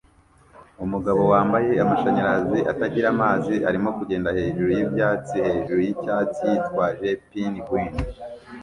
Umugabo wambaye amashanyarazi atagira amazi arimo kugenda hejuru yibyatsi hejuru yicyatsi yitwaje pingwin